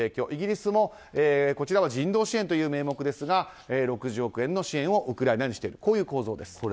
イギリスもこちらは人道支援という名目ですが６０億円の支援をウクライナにしているというこういう構造です。